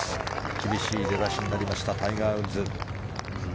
厳しい出だしになりましたタイガー・ウッズ。